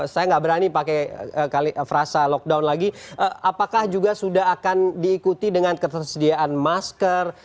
saya nggak berani pakai frasa lockdown lagi apakah juga sudah akan diikuti dengan ketersediaan masker